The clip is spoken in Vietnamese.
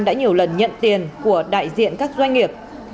đã nhiều lần nhận tiền của đại diện các doanh nghiệp